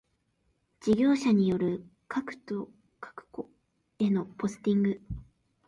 事業者による各戸へのポスティング